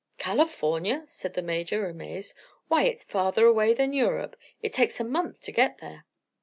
"California!" said the Major, amazed; "why, it's farther away than Europe. It takes a month to get there."